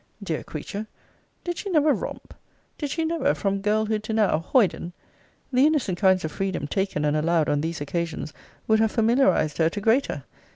Dear creature! Did she never romp? Did she never, from girlhood to now, hoyden? The innocent kinds of freedom taken and allowed on these occasions, would have familiarized her to greater.